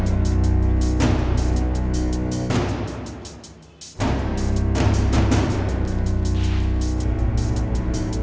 apaan harus gue cari kemana mana gak ketemu